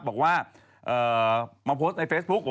บอกว่ามาโพสต์ในเฟซบุ๊ค